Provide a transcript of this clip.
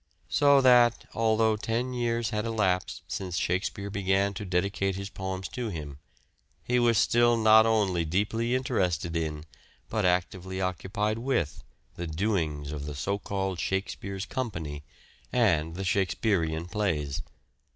So that, although ten years had elapsed since Shakespeare began to dedicate poems to him, he was still not only deeply interested in, but actively occupied with, the doings of the so called " Shak spere's company," and the Shakespearean plays.